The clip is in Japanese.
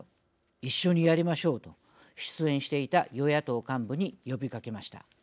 一緒にやりましょう」と出演していた与野党幹部に呼びかけました。